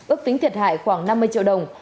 ước tính thiệt hại khoảng năm mươi triệu đồng